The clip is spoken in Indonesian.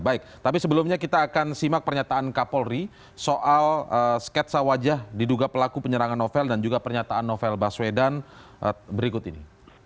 baik tapi sebelumnya kita akan simak pernyataan kapolri soal sketsa wajah diduga pelaku penyerangan novel dan juga pernyataan novel baswedan berikut ini